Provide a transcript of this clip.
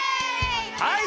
はい。